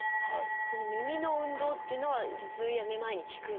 この耳の運動っていうのは頭痛やめまいに効くんですか？